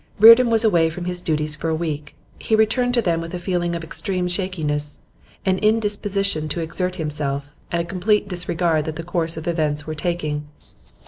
Reardon was away from his duties for a week; he returned to them with a feeling of extreme shakiness, an indisposition to exert himself, and a complete disregard of the course that events were taking.